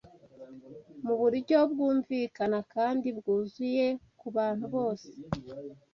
mu buryo bwumvikana kandi bwuzuye ku bantu bose